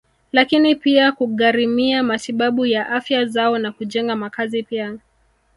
Lakini pia kugharimia matibabu ya afya zao na kujenga makazi pia